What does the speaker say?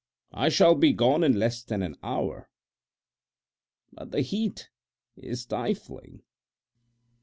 I shall be gone in less than an hour. But the heat is stifling.